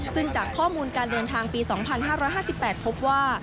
ซึ่งจากข้อมูลการเดินทางปี๒๕๕๘พบว่า